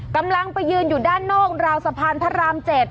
กำลังไปยืนอยู่ด้านนอกราวสะพานพระราม๗